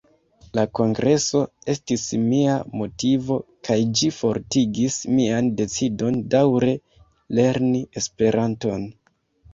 La kongreso estis mia motivo, kaj ĝi fortigis mian decidon daǔre lerni Esperanton.